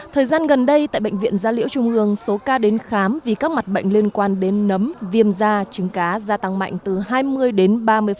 thời gian gần đây tại bệnh viện gia liễu trung ương số ca đến khám vì các mặt bệnh liên quan đến nấm viêm da trứng cá gia tăng mạnh từ hai mươi đến ba mươi